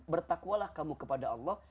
bertakwalah kamu kepada allah